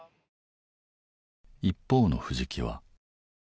一方の藤木は。